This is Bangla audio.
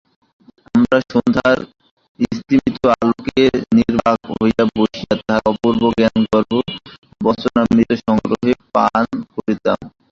আমরাও সন্ধ্যার স্তিমিত আলোকে নির্বাক হইয়া বসিয়া তাঁহার অপূর্ব জ্ঞানগর্ভ বচনামৃত সাগ্রহে পান করিতাম।